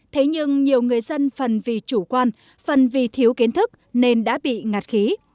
thế nhưng nhiều người dân phần vì chủ quan phần vì thiếu kiến thức nên đã bị ngạt khí